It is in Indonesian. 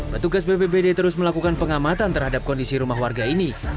petugas bpbd terus melakukan pengamatan terhadap kondisi rumah warga ini